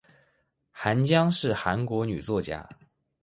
韩江是韩国女作家。